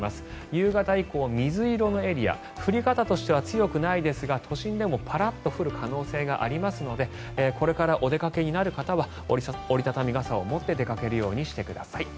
夕方以降、水色のエリア降り方としては強くないですが都心でもパラッと降る可能性がありますのでこれからお出かけになる方は折り畳み傘を持って出かけるようにしてください。